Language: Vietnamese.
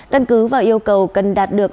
cân cứ vào yêu cầu cần đạt được